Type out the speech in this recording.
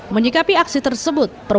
menyikapi aksi tersebut